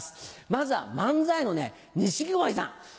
まずは漫才の錦鯉さん。